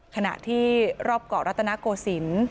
ขณะที่รอบเกาะรัตนโกศิลป์